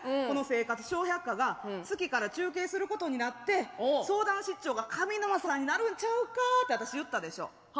この「生活笑百科」が月から中継することになって相談室長が上沼さんになるんちゃうかって私言ったでしょ。